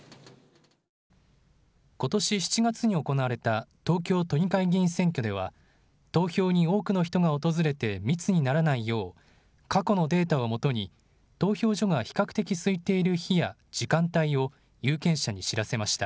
ことし７月に行われた東京都議会議員選挙では投票に多くの人が訪れて密にならないよう過去のデータをもとに投票所が比較的すいている日や時間帯を有権者に知らせました。